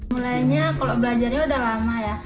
mulainya kalau belajarnya udah lama ya